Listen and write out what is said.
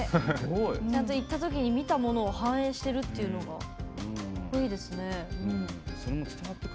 ちゃんといったときに見たものを反映しているっていうのがいいですね。